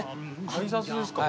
改札ですか？